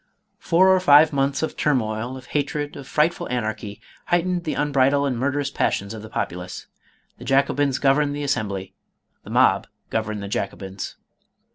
Four or five months of turmoil, of hatred, of fright ful anarchy, heightened the unbridled and murderous passions of the populace. The Jacobins governed the Assembly, the mob governed the Jacobins.